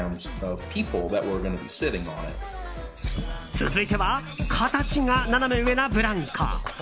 続いては形がナナメ上なブランコ。